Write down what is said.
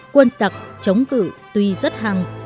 quân tặc chống cử tuy rất hàng